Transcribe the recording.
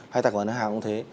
hay tài khoản ngân hàng cũng thế